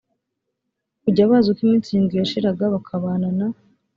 kujya baza uko iminsi irindwi yashiraga bakabana na